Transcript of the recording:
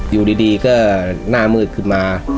อยู่ดีก็หน้ามืดขึ้นมา